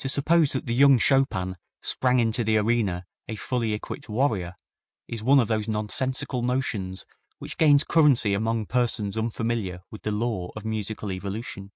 To suppose that the young Chopin sprang into the arena a fully equipped warrior is one of those nonsensical notions which gains currency among persons unfamiliar with the law of musical evolution.